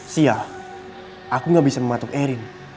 sial aku nggak bisa mematuk erin